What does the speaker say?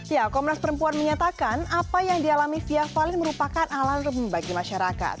ya komnas perempuan menyatakan apa yang dialami via valen merupakan alam rembagi masyarakat